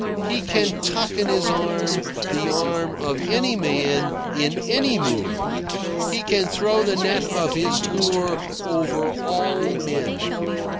He can tuck in his arm the arm of any man in any mood. He can throw the net of his lure over all men.